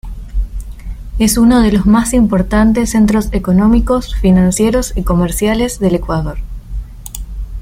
Es uno de los más importantes centros económicos, financieros y comerciales del Ecuador.